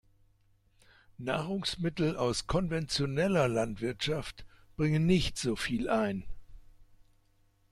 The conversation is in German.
Nahrungsmittel aus konventioneller Landwirtschaft bringen nicht so viel ein.